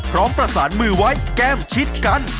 พร้อมประสานมือไว้แก้มชิดกัน